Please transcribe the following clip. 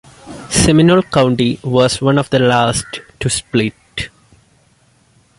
Seminole County was one of the last to split.